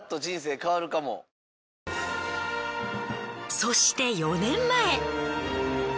そして４年前。